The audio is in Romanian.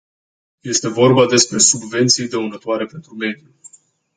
Este vorba despre subvenții dăunătoare pentru mediu.